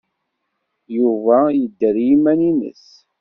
Yuba yedder i yiman-nnes.